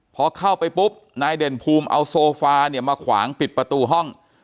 พอเข้าไปปุ๊บนายเด่นภูมิเอาโซฟาเนี่ยมาขวางปิดประตูห้อง